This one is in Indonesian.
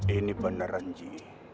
ini beneran ji